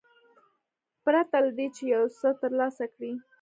پرته له دې چې یو څه ترلاسه کړي.